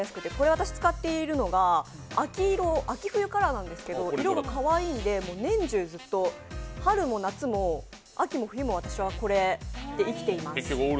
私、使っているのが秋冬カラーなんですけど、色がかわいいんで年中、春も夏も、秋も冬も私はこれで生きています。